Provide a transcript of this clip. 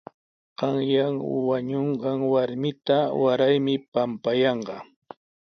Qanyan wañunqan warmita waraymi pampayanqa.